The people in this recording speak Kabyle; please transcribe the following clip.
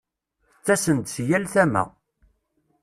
Ttasen-d si yal tama.